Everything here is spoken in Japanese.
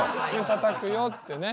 「たたくよ」ってね。